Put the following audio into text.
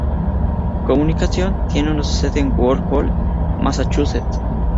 Z Communications tiene su sede en Woods Hole, Massachusetts.